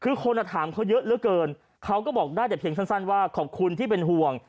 คือคนถามเขาเยอะเหลือเกินเขาก็บอกได้แต่เพียงสั้นว่าขอบคุณที่เป็นห่วง